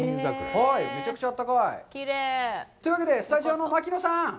めちゃくちゃ暖かい。というわけで、スタジオの槙野さん。